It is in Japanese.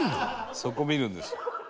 そこ見るんです。